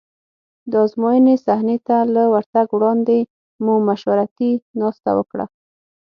د ازموینې صحنې ته له ورتګ وړاندې مو مشورتي ناسته وکړه.